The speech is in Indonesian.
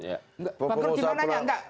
bangkrut gimana ya enggak